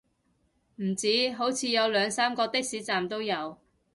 唔止，好似有兩三個的士站都有